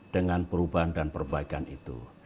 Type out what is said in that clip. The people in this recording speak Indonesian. dengan perubahan dan perbaikan itu